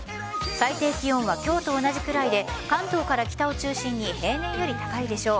最低気温は今日と同じぐらいで関東から北を中心に平年より高いでしょう。